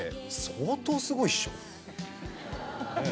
相当すごいっしょ？ねえ？